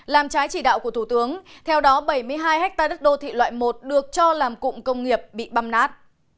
làm trái chỉ đạo của thủ tướng theo đó bảy mươi hai ha đất đô thị loại một được cho làm cụm công nghiệp bị băm nát